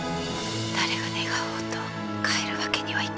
誰が願おうと帰るわけにはいかぬ。